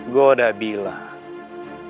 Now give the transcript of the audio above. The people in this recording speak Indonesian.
gua udah bilang